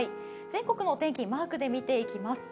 全国の天気まーくで見ていきます。